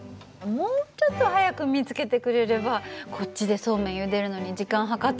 もうちょっと早く見つけてくれればこっちでそうめんゆでるのに時間計ってたのに。